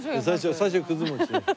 最初くず餅。